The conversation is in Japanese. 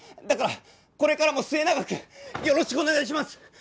だからこれからも末永くよろしくお願いします！